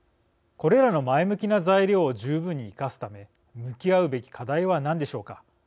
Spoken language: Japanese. これらの前向きな材料を十分に生かすため向き合うべき課題は何でしょうか。